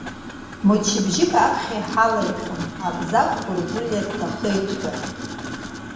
Мчыбжьык аԥхьа иҳалаҩхьан Абзагә Гәыргәлиа дҭахеит ҳәа.